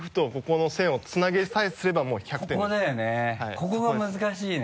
ここが難しいね。